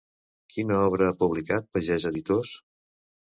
Quina col·lecció ha publicat Pagès Editors?